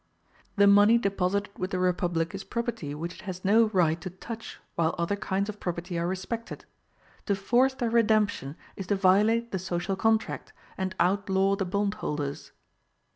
The money deposited with the republic is property which it has no right to touch while other kinds of property are respected; to force their redemption is to violate the social contract, and outlaw the bondholders.